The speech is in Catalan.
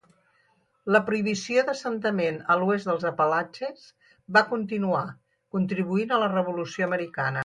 La prohibició d'assentament a l'oest dels Apalatxes va continuar, contribuint a la Revolució Americana.